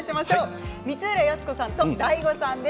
光浦靖子さんとＤＡＩＧＯさんです。